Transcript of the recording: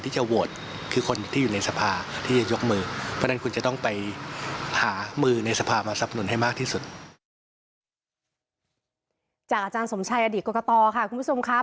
อาจารย์สมชัยอดีตกรกตค่ะคุณผู้ชมครับ